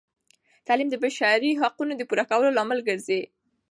تعلیم د بشري حقونو د پوره کولو لامل ګرځي.